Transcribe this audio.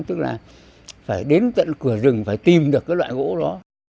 tức là phải đến tận cửa rừng phải tìm được cái loại gỗ đó